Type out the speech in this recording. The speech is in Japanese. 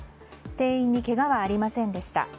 店員にけがはありませんでした。